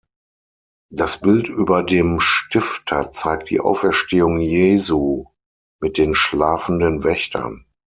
Das Bild über dem Stifter zeigt die Auferstehung Jesu mit den schlafenden Wächtern.